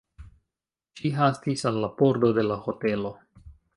Ŝi hastis al la pordo de la hotelo.